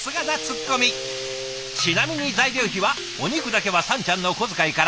ちなみに材料費はお肉だけはさんちゃんの小遣いから。